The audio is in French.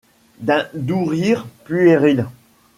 D’un doux rire puéril.